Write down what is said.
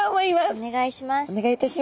お願いいたします。